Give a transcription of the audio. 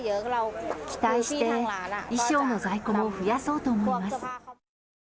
期待して、衣装の在庫も増やそうと思います。